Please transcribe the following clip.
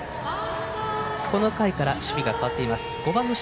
この回から守備が変わっています。